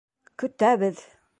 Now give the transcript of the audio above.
Көтәбеҙ!